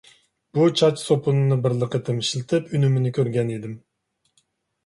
بۇ چاچ سوپۇنىنى بىرلا قېتىم ئىشلىتىپ ئۈنۈمىنى كۆرگەن ئىدىم.